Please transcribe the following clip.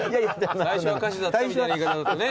最初は歌手だったみたいな言い方だとね。